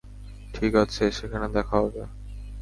ঠিক আছে, সেখানে দেখা হবে।